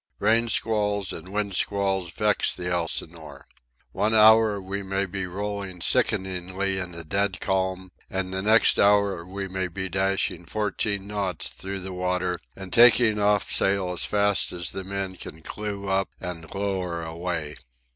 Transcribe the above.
Rain squalls and wind squalls vex the Elsinore. One hour we may be rolling sickeningly in a dead calm, and the next hour we may be dashing fourteen knots through the water and taking off sail as fast as the men can clew up and lower away.